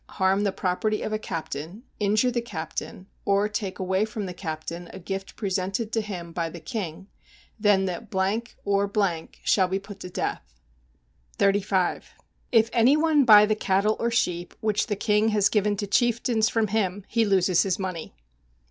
harm the property of a captain, injure the captain, or take away from the captain a gift presented to him by the king then the ... or ... shall be put to death. 35. If any one buy the cattle or sheep which the king has given to chieftains from him he loses his money.